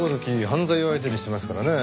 犯罪を相手にしてますからね。